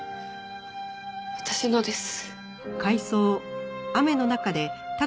私のです。